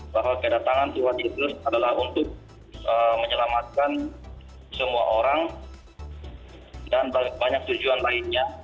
bahwa kedatangan tuhan ibnus adalah untuk menyelamatkan semua orang dan banyak tujuan lainnya